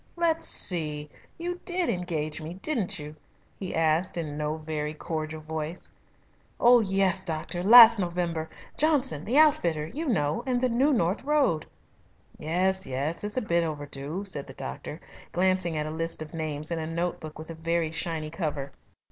"Let's see! You did engage me, didn't you?" he asked in no very cordial voice. "Oh, yes, doctor, last November. Johnson the outfitter, you know, in the New North Road." "Yes, yes. It's a bit overdue," said the doctor, glancing at a list of names in a note book with a very shiny cover.